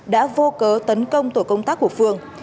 đã vô cớ tấn công tổ công tác của phương